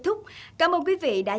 sự quan tâm nỗ lực của hiệp hội